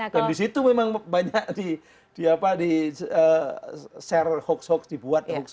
dan di situ memang banyak di share hoax hoax dibuat